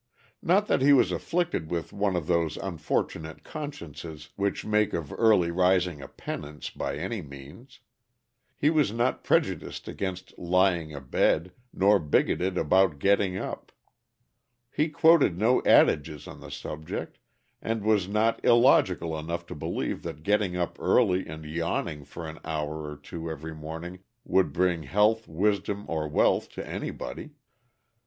Not that he was afflicted with one of those unfortunate consciences which make of early rising a penance, by any means. He was not prejudiced against lying abed, nor bigoted about getting up. He quoted no adages on the subject, and was not illogical enough to believe that getting up early and yawning for an hour or two every morning would bring health, wisdom, or wealth to anybody.